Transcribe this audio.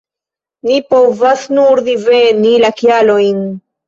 Ni povas nur diveni la kialojn.